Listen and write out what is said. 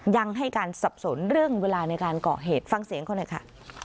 ยังให้การสับสนเรื่องเวลาในการก่อเหตุฟังเสียงเขาหน่อยค่ะ